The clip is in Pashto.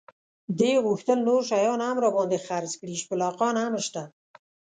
دې غوښتل نور شیان هم را باندې خرڅ کړي، شپلېکان هم شته.